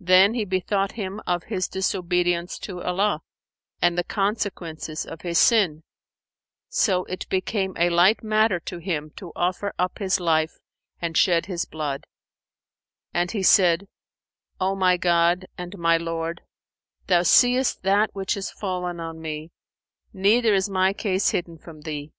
[FN#477] Then he bethought him of his disobedience to Allah, and the consequences of his sin; so it became a light matter to him to offer up his life and shed his blood; and he said, "O my God and my Lord, Thou seest that which is fallen on me; neither is my case hidden from Thee.